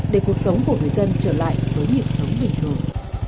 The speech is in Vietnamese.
để cuộc sống của người dân trở lại với nhịp sống bình thường